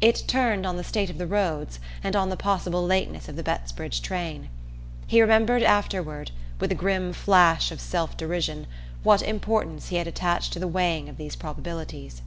It turned on the state of the roads and on the possible lateness of the Bettsbridge train. He remembered afterward, with a grim flash of self derision, what importance he had attached to the weighing of these probabilities...